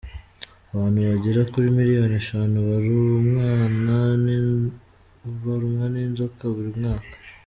Abantu bagera kuri miliyoni eshanu barumwa n’ inzoka buri mwaka.